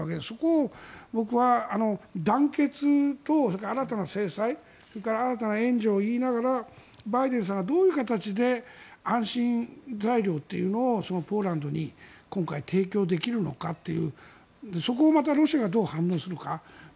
そこを僕は、団結と新たな制裁それから新たな援助を言いながらバイデンさんはどういう形で安心材料をポーランドに今回提供できるのかというそこにまた、ロシアがどう反応するか。